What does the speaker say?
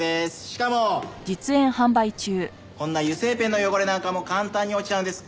しかもこんな油性ペンの汚れなんかも簡単に落ちちゃうんです。